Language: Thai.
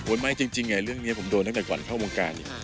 โทรอูนไหมย์จริงเงายะเรื่องเนี้ยผมโดนตั้งแต่ก่อนเข้ากลางการยิ่ง